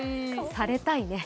されたいね。